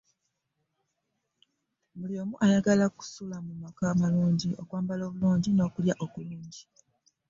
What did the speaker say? Buli omu ayagala okusula mu maka amalungi n'okwambala obulungi n'okulya okulungi.